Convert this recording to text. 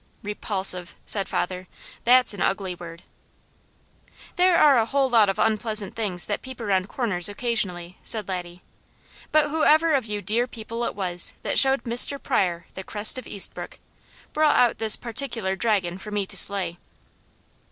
"'Repulsive,"' said father. "That's an ugly word!" "There are a whole lot of unpleasant things that peep around corners occasionally," said Laddie. "But whoever of you dear people it was that showed Mr. Pryor the Crest of Eastbrooke, brought out this particular dragon for me to slay."